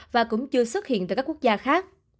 và cũng chưa xuất hiện tại các quốc gia khác